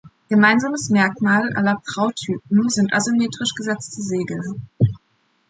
Gemeinsames Merkmal aller Prau-Typen sind asymmetrisch gesetzte Segel.